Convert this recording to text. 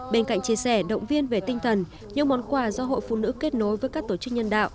bên cạnh chia sẻ động viên về tinh thần những món quà do hội phụ nữ kết nối với các tổ chức nhân đạo